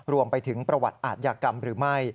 รวมไปถึงประวัติอาทยากรรมหรือไม่